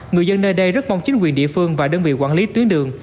người dân nơi đây rất mong chính quyền địa phương và đơn vị quản lý tuyến đường